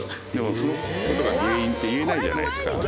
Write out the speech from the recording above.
そのことが原因って言えないじゃないですか。